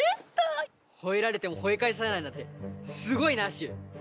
吠えられても吠え返さないなんてすごいなしゅう。